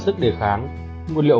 thuộc thể nào hàn nhiệt ra sao